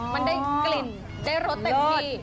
มันได้กลิ่นได้รสเต็มที่